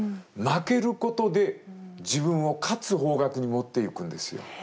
負けることで自分を勝つ方角に持っていくんですよ。